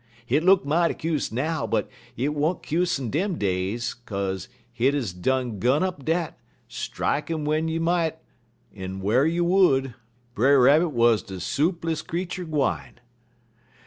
Hit look mighty kuse now, but 't wa'n't kuse in dem days, kaze hit 'uz done gun up dat, strike 'im w'en you might en whar you would, Brer Rabbit wuz de soopless creetur gwine.